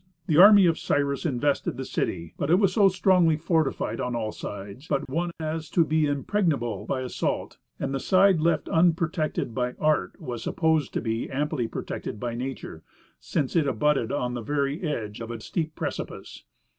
The army of Cyrus invested the city, but it was so strongly fortified on all sides but one as to be impregnable by assault and the side left unprotected by art was supposed to be amply protected by nature, since it abutted on the very edge of a steep precipice.